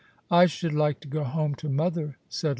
" I should like to go home to mother," said Lassie.